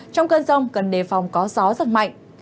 trong cơn rông cần đề phòng có gió giật mạnh